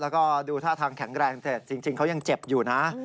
แล้วก็ดูท่าทางแข็งแรงแต่จริงเขายังเจ็บอยู่นะ